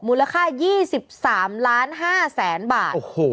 มูลค่า๒๓๕๐๐๐๐บาท